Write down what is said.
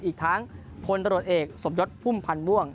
อีกทั้งพลตรวจเอกสมยศพุ่มพันธ์ม่วง